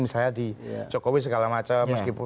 misalnya di jokowi segala macam